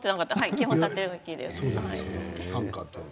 基本、縦書きです。